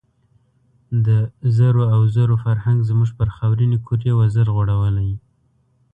د زرو او زور فرهنګ زموږ پر خاورینې کُرې وزر غوړولی.